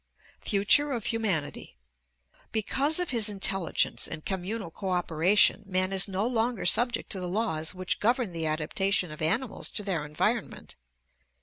Future of Humanity Because of his intelligence and communal cooperation man is no longer subject to the laws which govern the adaptation of animals to their environment.